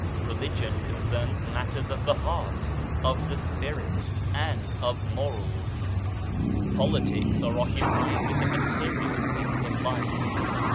Religion concerns matters of the heart, of the Spirit, and of morals. 148 RELIGION AND POLITICS Politics are occupied with the material things of life.